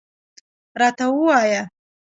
راته ووایه.